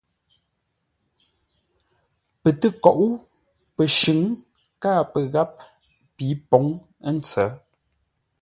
Pə tə́koʼó pəshʉ̌ŋ káa pə́ ngáp pi pǒŋ ə́ ntsə̌.